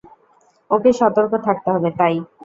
ওকে সতর্ক থাকতে হবে, তাই।